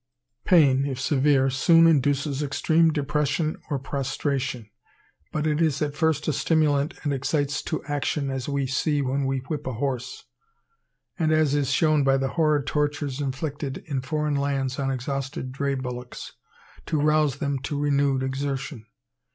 Pain, if severe, soon induces extreme depression or prostration; but it is at first a stimulant and excites to action, as we see when we whip a horse, and as is shown by the horrid tortures inflicted in foreign lands on exhausted dray bullocks, to rouse them to renewed exertion.